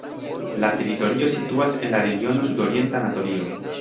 La teritorio situas en la regiono Sudorienta Anatolio.